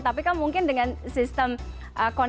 tapi kan mungkin dengan sistem konser drive in ini